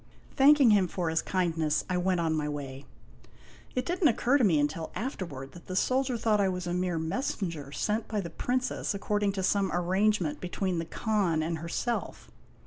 Thanking him for his kindness, I went on my way. It did n't occur to me until afterward that the soldier thought I was a mere messenger sent by the Princess according to some arrangement be tween the Khan and herself.